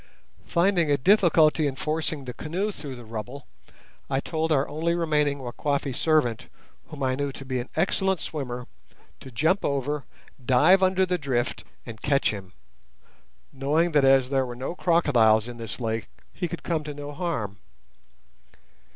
Finding a difficulty in forcing the canoe through the rubbish, I told our only remaining Wakwafi servant, whom I knew to be an excellent swimmer, to jump over, dive under the drift, and catch him, knowing that as there were no crocodiles in this lake he could come to no harm.